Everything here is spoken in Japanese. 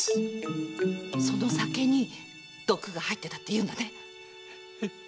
その酒に毒が入ってたっていうんだね？